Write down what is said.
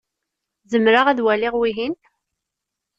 Zemreɣ ad waliɣ wihin?